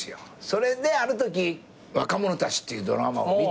それであるとき『若者たち』っていうドラマを見て。